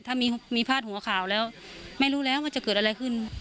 ถ้ามีพาดหัวข่าวแล้วไม่รู้แล้วว่าจะเกิดอะไรขึ้น